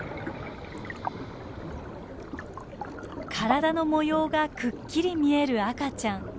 体の模様がくっきり見える赤ちゃん。